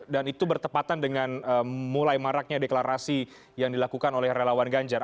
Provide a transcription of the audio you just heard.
dan itu bertepatan dengan mulai maraknya deklarasi yang dilakukan oleh relawan ganjar